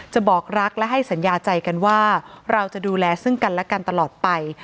บอกรักและให้สัญญาใจกันว่าเราจะดูแลซึ่งกันและกันตลอดไป